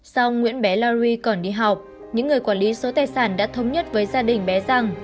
sau nguyễn bé lari còn đi học những người quản lý số tài sản đã thống nhất với gia đình bé rằng